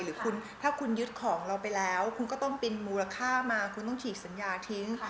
หรือคุณถ้าคุณยึดของเราไปแล้วคุณก็ต้องบินมูลค่ามาคุณต้องฉีกสัญญาทิ้ง